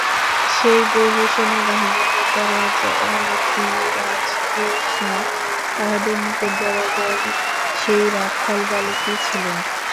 সেই বহু সেনাবাহিনীর নেতা রাজাধিরাজ কৃষ্ণ তাহাদের নিকট বরাবর সেই রাখালবালকই ছিলেন।